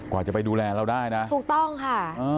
กว่าจะไปดูแลเราได้นะถูกต้องค่ะ